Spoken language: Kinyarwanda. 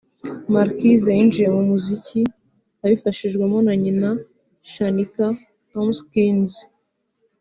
Marquise yinjiye mu muziki abifashijwemo na nyina Shaniqua Tompkins